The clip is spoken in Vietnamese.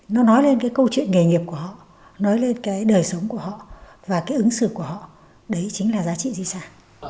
nó nói lên cái câu chuyện nghề nghiệp của họ nói lên cái đời sống của họ và cái ứng xử của họ đấy chính là giá trị di sản